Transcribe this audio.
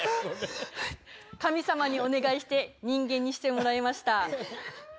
神様にお願いして人間にしてもらいました。